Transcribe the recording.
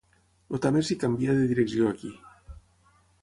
El Tàmesi canvia de direcció aquí.